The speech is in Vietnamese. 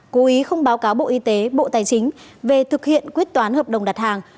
cố ý không báo cáo bộ y tế bộ tài chính về thực hiện quyết toán hợp đồng đặt hàng